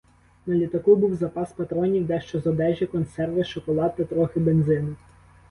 На літаку був запас патронів, дещо з одежі, консерви, шоколад та трохи бензину.